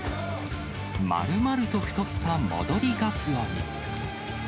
まるまると太った戻りガツオに。